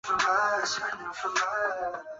琼斯县是美国南达科他州中南部的一个县。